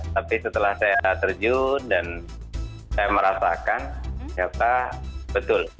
tapi setelah saya terjun dan saya merasakan ternyata betul